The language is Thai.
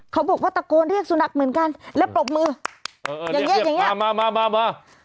เขาบอกว่าตะโกนเรียกสุนัขเหมือนกันแล้วปรบมือเออเออเรียกเรียกมามามามา